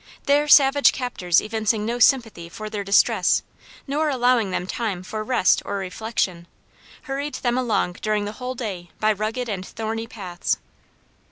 Their savage captors evincing no sympathy for their distress, nor allowing them time for rest or reflection, hurried them along during the whole day by rugged and thorny paths.